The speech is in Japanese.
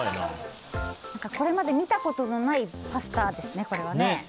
これまで見たことのないパスタですね、これは。